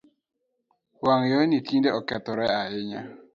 Wangayoo ni tinde okethoree ahinya